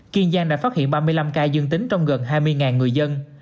kiên giang đã phát hiện ba mươi năm ca dương tính trong gần hai mươi người dân